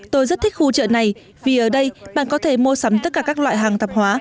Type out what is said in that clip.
tôi rất thích khu chợ này vì ở đây bạn có thể mua sắm tất cả các loại hàng tạp hóa